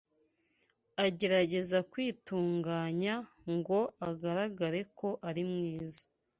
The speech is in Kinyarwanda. agerageza kwitunganya ngo agaragare ko ari mwiza